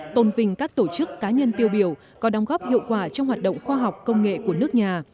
tôn vinh các tổ chức cá nhân tiêu biểu có đóng góp hiệu quả trong hoạt động khoa học công nghệ của nước nhà